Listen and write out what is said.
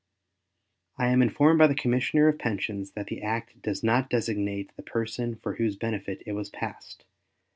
I am informed by the Commissioner of Pensions that the act does not designate the person for whose benefit it was passed.